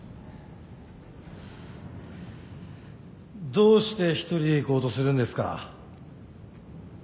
どうして一人で行こうとするんですか？